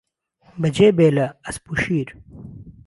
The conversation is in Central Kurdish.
بهجێ بێله ئهسپ و شير